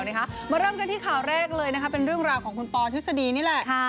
มาเริ่มกันที่ข่าวแรกเลยนะคะเป็นเรื่องราวของคุณปอทฤษฎีนี่แหละ